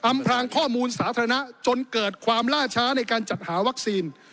พรางข้อมูลสาธารณะจนเกิดความล่าช้าในการจัดหาวัคซีน